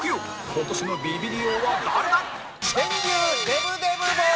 今年のビビリ王は誰だ？